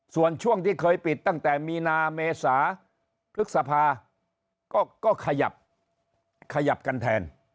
ส่วนช่วงที่เคยปิดตั้งแต่มีนาเมษาพฤษภาก็ขยับขยับกันแทน